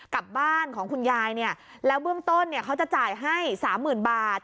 กับบ้านของคุณยายเนี่ยแล้วเบื้องต้นเนี่ยเขาจะจ่ายให้สามหมื่นบาท